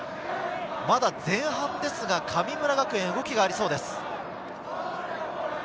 まだ前半ですが、神村学園、動きがありそうです。